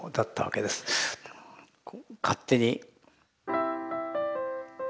勝手に。